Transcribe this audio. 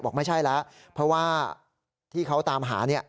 บอกไม่ใช่แล้วเพราะว่าที่เขาตามหาเนี่ย